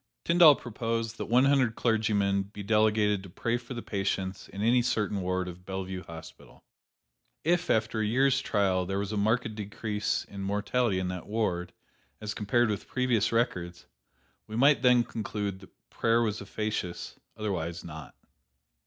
Tyndall proposed that one hundred clergymen be delegated to pray for the patients in any certain ward of Bellevue Hospital. If, after a year's trial, there was a marked decrease in mortality in that ward, as compared with previous records, we might then conclude that prayer was efficacious, otherwise not.